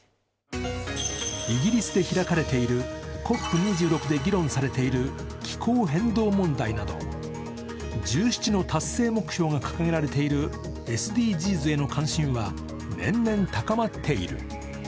イギリスで開かれているＣＯＰ２６で議論されている気候変動問題など１７の達成目標が掲げられているＳＤＧｓへの関心は年々高まっている。